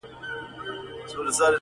خر په خپله ګناه پوه نه سو تر پایه٫